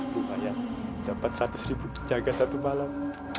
bu ayah dapat rp empat ratus jaga satu malam